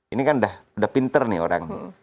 ini kan udah pinter nih orang